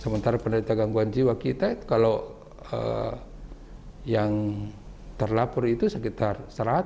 menderita gangguan jiwa kita kalau yang terlapor itu sekitar seratus